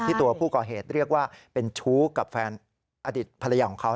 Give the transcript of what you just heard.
ตัวผู้ก่อเหตุเรียกว่าเป็นชู้กับแฟนอดีตภรรยาของเขา